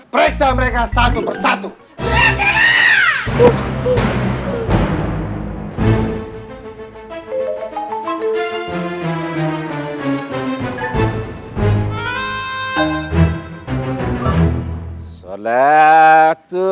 periksa mereka satu persatu